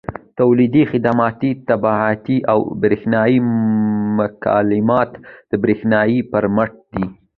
تولیدي، خدماتي، طباعتي او برېښنایي مکالمات د برېښنا پر مټ دي.